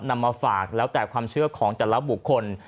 มาฝากแล้วแต่ความเชื่อของแต่ละบุคคล